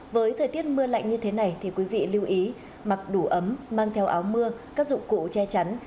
với thời tiết mưa lạnh như thế này thì quý vị lưu ý mặc đủ ấm mang theo áo mưa các dụng cụ che chắn